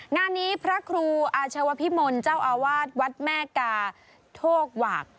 งานนี้พระครูอาชวพิมลเจ้าอาวาสวัดแม่กาโทกหวาก